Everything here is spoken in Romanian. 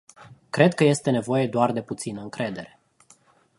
Cred că este nevoie doar de puțină încredere.